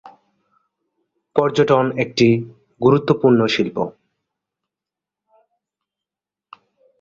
পর্যটন একটি গুরুত্বপূর্ণ শিল্প।